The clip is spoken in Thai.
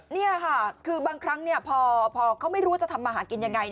นี่ค่ะคือบางครั้งพอเขาไม่รู้จะทำมาหากินยังไง